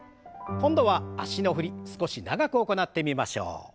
今度は脚の振り少し長く行ってみましょう。